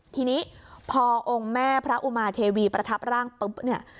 ทีนี้พอองค์แม่พระอุมาเทวีประทับร่างปุ๊บเนี่ย